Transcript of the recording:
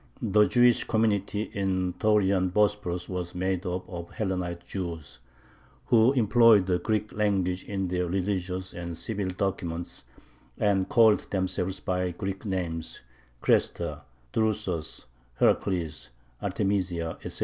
The Jewish community in Taurian Bosporus was made up of Hellenized Jews, who employed the Greek language in their religious and civil documents, and called themselves by Greek names (Chresta, Drusus, Heracles, Artemisia, etc.).